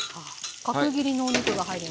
角切りのお肉が入りました。